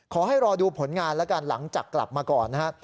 ขอให้รอดูผลงานแล้วกันหลังจากกลับมาก่อนนะครับ